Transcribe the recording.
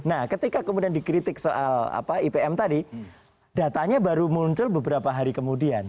nah ketika kemudian dikritik soal ipm tadi datanya baru muncul beberapa hari kemudian